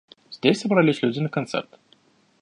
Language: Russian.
Здесь собрались люди на концерт.